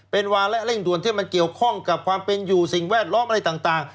เป็นวาระเร่งด่วนที่มันเกี่ยวข้องกับความเป็นอยู่สิ่งแวดล้อมอะไรต่าง